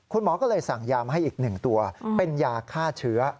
คุณหมอก็เลยสั่งยามาให้อีก๑ตัวเป็นยาฆ่าเชื้อ